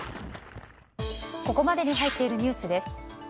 ここまでに入っているニュースです。